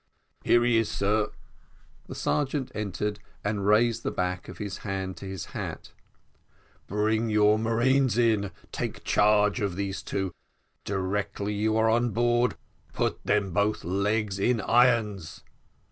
"Here he is, sir." The sergeant entered, and raised the back of his hand to his hat. "Bring your marines in take charge of these two. Direct you are on board, put them both legs in irons."